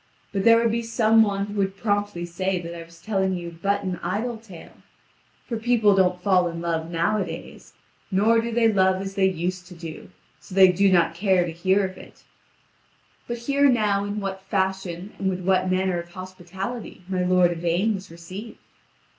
But there would be some one who would promptly say that I was telling you but an idle tale; for people don't fall in love nowadays, nor do they love as they used to do, so they do not care to hear of it. But hear now in what fashion and with what manner of hospitality my lord Yvain was received.